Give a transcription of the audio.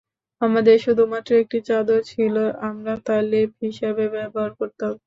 আমাদের শুধুমাত্র একটি চাদর ছিল আমরা তা লেপ হিসাবে ব্যবহার করতাম।